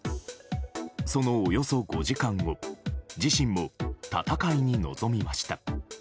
そのおよそ５時間後自身も戦いに臨みました。